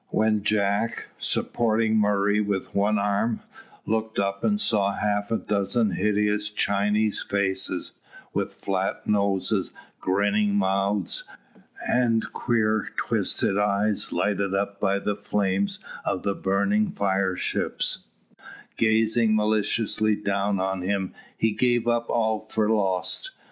When Jack, supporting Murray with one arm, looked up and saw half a dozen hideous Chinese faces, with flat noses, grinning mouths, and queer twisted eyes lighted up by the flames of the burning fire ships, gazing maliciously down on him, he gave up all for lost.